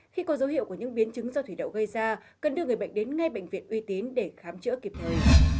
khi có dấu hiệu của những biến chứng do thủy đậu gây ra cần đưa người bệnh đến ngay bệnh viện uy tín để khám chữa kịp thời